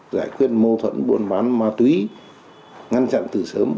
giải quyết mâu thuẫn buôn bán ma túy ngăn chặn từ sớm